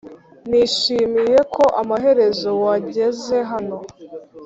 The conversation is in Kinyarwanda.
nishimiye ko amaherezo wageze hano,